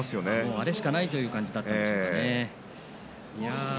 あれしかないという感じだったんでしょうかね。